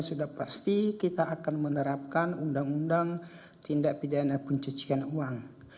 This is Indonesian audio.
sudah pasti kita akan menerapkan undang undang tindak pidana pencucian uang